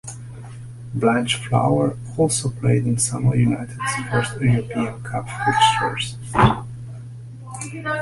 Blanchflower also played in some of United's first European Cup fixtures.